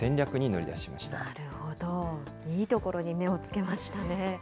なるほど、いいところに目をつけましたね。